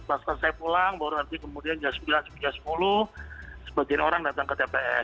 setelah saya pulang baru nanti jam sembilan jam sepuluh sebagian orang datang ke tps